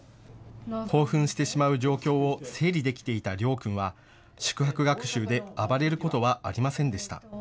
興奮してしまう状況を整理できていたりょう君は宿泊学習で暴れることはありませんでした。